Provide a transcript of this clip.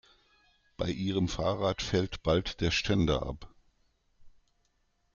Bei ihrem Fahrrad fällt bald der Ständer ab.